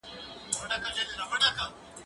زه به اوږده موده واښه راوړلي وم!.